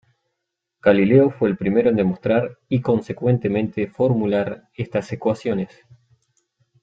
Galileo fue el primero en demostrar y consecuentemente formular estas ecuaciones.